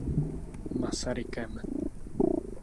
Masarykem.